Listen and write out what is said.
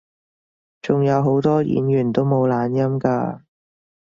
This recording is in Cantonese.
仲有好多演員都冇懶音㗎